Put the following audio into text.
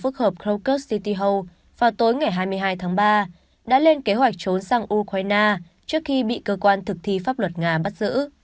nhà hát khu phức hợp krokus city hall vào tối ngày hai mươi hai tháng ba đã lên kế hoạch trốn sang ukraine trước khi bị cơ quan thực thi pháp luật nga bắt giữ